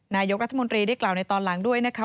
นายกรัฐมนตรีได้กล่าวในตอนหลังด้วยนะคะ